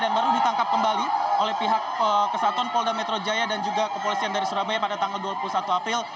dan baru ditangkap kembali oleh pihak kesaton polda metro jaya dan juga kepolisian dari surabaya pada tanggal dua puluh satu april